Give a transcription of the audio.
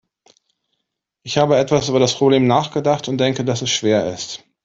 Ich habe etwas über das Problem nachgedacht und denke, dass es schwer ist.